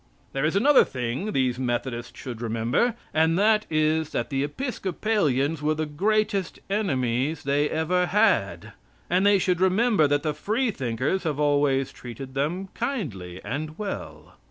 There is another thing these Methodists should remember, and that is, that the Episcopalians were the greatest enemies they ever had. And they should remember that the Free Thinkers have always treated them kindly and well.